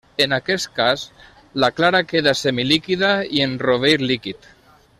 En aquest cas la clara queda semilíquida i el rovell líquid.